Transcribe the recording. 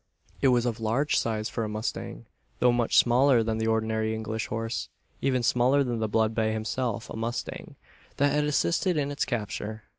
It was of large size for a mustang, though much smaller than the ordinary English horse; even smaller than the blood bay himself a mustang that had assisted in its capture.